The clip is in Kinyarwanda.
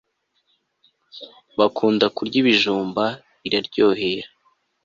bakunda kurya ibijumba iraryohera